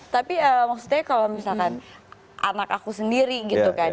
tapi maksudnya kalau misalkan anak aku sendiri gitu kan